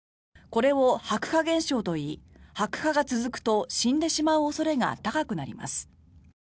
これを白化現象といい白化が続くと死んでしまう恐れが高くなります。